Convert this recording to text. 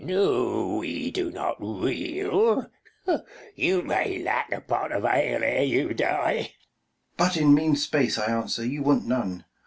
no, we do not reel : You may lack a pot of ale ere you die. 20 Mum. But in mean space, I answer, you want none.